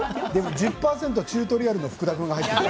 １０％チュートリアルの福田君が入っている。